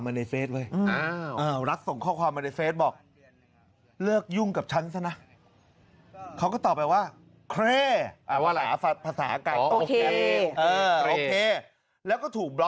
ผมถูกแล้ว